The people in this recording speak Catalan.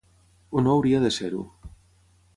O no hauria de ser-ho.